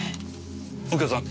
右京さん